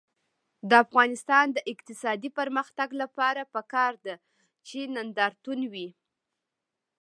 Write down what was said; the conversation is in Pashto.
د افغانستان د اقتصادي پرمختګ لپاره پکار ده چې نندارتون وي.